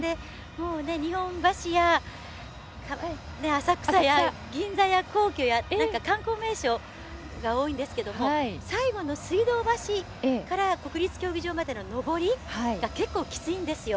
日本橋や浅草や銀座や皇居や観光名所が多いんですけれども最後の水道橋から国立競技場までの上りが結構きついんですよ。